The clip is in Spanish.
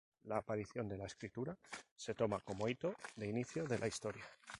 La aparición de la escritura se toma como hito de inicio de la historia.